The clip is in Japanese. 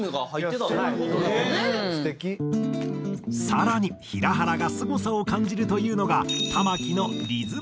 更に平原がすごさを感じるというのが。